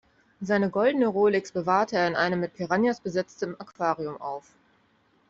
Seine goldene Rolex bewahrte er in einem mit Piranhas besetzten Aquarium auf.